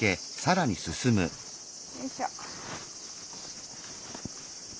よいしょ。